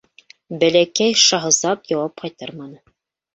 Бәләкәй шаһзат яуап ҡайтарманы.